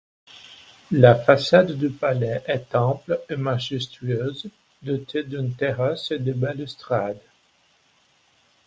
La façade du palais est ample et majestueuse, dotée d'une terrasse et de balustrades.